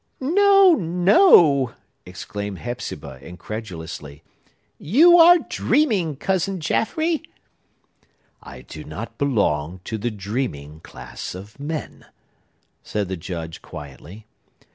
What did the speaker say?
"No, no!" exclaimed Hepzibah incredulously. "You are dreaming, Cousin Jaffrey." "I do not belong to the dreaming class of men," said the Judge quietly.